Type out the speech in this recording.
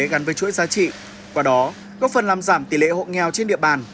gắn với chuỗi giá trị qua đó góp phần làm giảm tỷ lệ hộ nghèo trên địa bàn